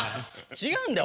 違うんだよ